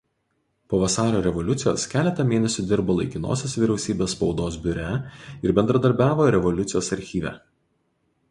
Po Vasario revoliucijos keletą mėnesių dirbo Laikinosios vyriausybės spaudos biure ir bendradarbiavo Revoliucijos archyve.